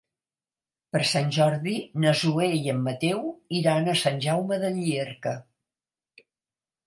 Per Sant Jordi na Zoè i en Mateu iran a Sant Jaume de Llierca.